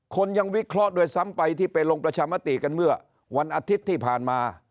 ยังวิเคราะห์ด้วยซ้ำไปที่ไปลงประชามติกันเมื่อวันอาทิตย์ที่ผ่านมา